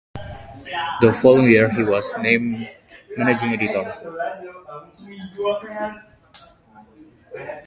The following year, he was named managing editor.